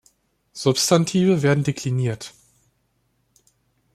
Substantive werden dekliniert.